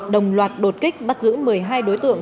đồng loạt đột kích bắt giữ một mươi hai đối tượng